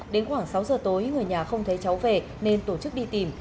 đến khoảng sáu giờ tối người nhà không thấy cháu về nên tổ chức đi tìm